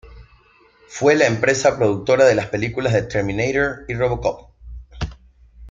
Fue la empresa productora de las películas de "Terminator" y "Robocop".